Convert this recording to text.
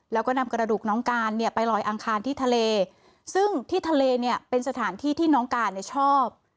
แล้วก็นำกระดูกน้องการเนี่ยไปลอยอังคารที่ทะเลซึ่งที่ทะเลเนี่ยเป็นสถานที่ที่น้องการเนี่ยชอบ